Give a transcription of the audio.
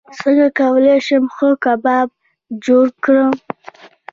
څنګه کولی شم ښه کباب جوړ کړم